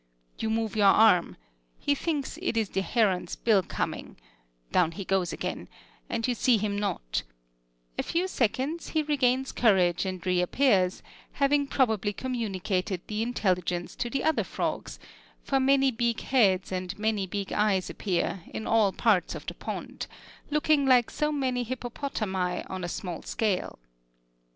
You move your arm: he thinks it is the heron's bill coming; down he goes again, and you see him not: a few seconds, he regains courage and reappears, having probably communicated the intelligence to the other frogs; for many big heads and many big eyes appear, in all parts of the pond, looking like so many hippopotami on a small scale.